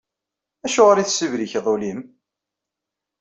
Acuɣer i tessibrikeḍ ul-im?